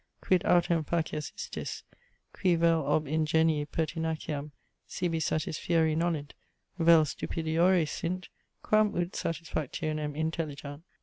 Quid autem facias istis, qui vel ob ingenii pertinaciam sibi satisfieri nolint, vel stupidiores sint, quam ut satisfactionem intelligant?